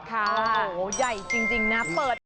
โหใหญ่จริงนะ